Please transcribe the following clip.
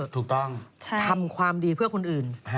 ทำความดีเพื่อคนอื่น